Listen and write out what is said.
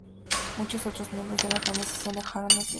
Muchos otros miembros de la organización dejaron la ciudad.